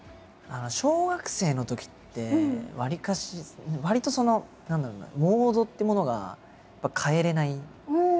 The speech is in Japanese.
小学生のときってわりかしわりとその何だろうなモードっていうものがやっぱ変えれない。